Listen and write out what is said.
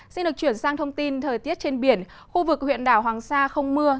xin được chuyển sang thông tin thời tiết trên biển khu vực huyện đảo hoàng sa không mưa